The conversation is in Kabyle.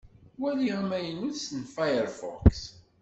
Wali amaynut n Firefox.